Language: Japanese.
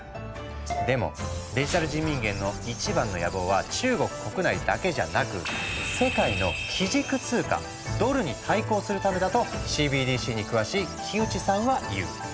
でもデジタル人民元の一番の野望は中国国内だけじゃなく世界の基軸通貨ドルに対抗するためだとＣＢＤＣに詳しい木内さんは言う。